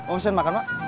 oh kesen makan pak